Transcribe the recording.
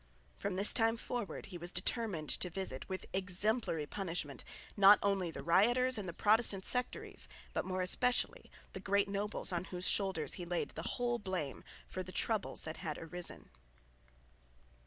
From this time forward he was determined to visit with exemplary punishment not only the rioters and the Protestant sectaries, but more especially the great nobles on whose shoulders he laid the whole blame for the troubles that had arisen.